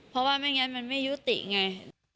เพราะว่าไม่งั้นมันไม่ยุติไง